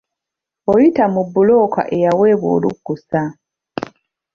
Oyita mu bbulooka eyaweebwa olukusa.